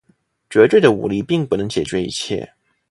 绝对的武力并不能解决一切。